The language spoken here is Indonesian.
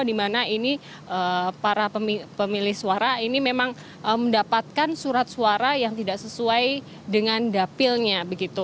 di mana ini para pemilih suara ini memang mendapatkan surat suara yang tidak sesuai dengan dapilnya